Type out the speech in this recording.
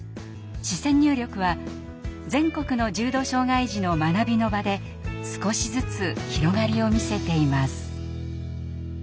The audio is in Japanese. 視線入力は全国の重度障害児の学びの場で少しずつ広がりを見せています。